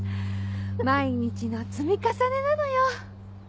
毎日の積み重ねなのよ。